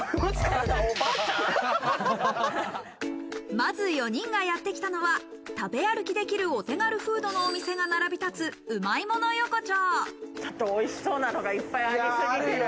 まず４人がやって来たのは食べ歩きできる、お手軽フードのお店が並び立つ、うまいもの横丁。